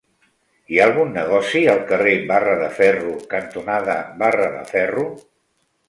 Hi ha algun negoci al carrer Barra de Ferro cantonada Barra de Ferro?